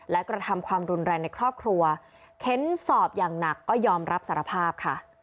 และกระทำความรุนแรงในครอบครัวเค้นสอบอย่างหนักก็ยอมรับสารภาพค่ะ